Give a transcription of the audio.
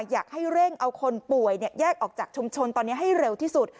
อยากให้เร่งเอาคนป่วยแยกออกจากชุมชนตอนนี้ให้เร็วที่สุด